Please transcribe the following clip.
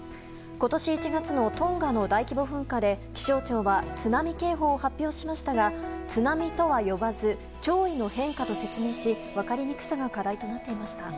今年１月のトンガの大規模噴火で気象庁は津波警報を発表しましたが津波とは呼ばず潮位の変化と説明し分かりにくさが課題となっていました。